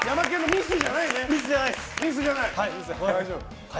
ミスじゃないです！